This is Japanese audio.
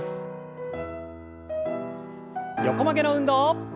横曲げの運動。